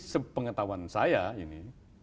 sepengetahuan saya ini